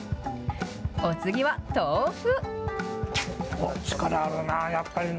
お次は豆腐。